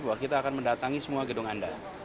bahwa kita akan mendatangi semua gedung anda